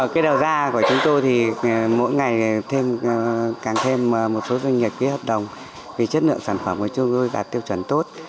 cái đầu ra của chúng tôi thì mỗi ngày càng thêm một số doanh nghiệp ký hợp đồng vì chất lượng sản phẩm của chúng tôi đạt tiêu chuẩn tốt